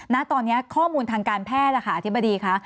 ณตอนนี้ข้อมูลทางการแพทย์อธิบดีค่ะ